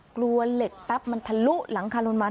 กลัวเหล็กแป๊บมันทะลุหลังคาลงมา